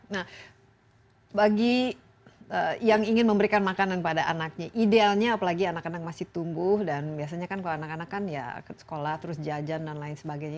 nah bagi yang ingin memberikan makanan pada anaknya idealnya apalagi anak anak masih tumbuh dan biasanya kan kalau anak anak kan ya sekolah terus jajan dan lain sebagainya